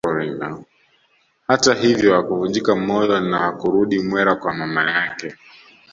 Hata hivyo hakuvunjika moyo na hakurudi Mwera kwa mama yake